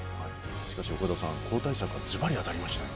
しかし岡田さん交代策ずばり当たりましたね。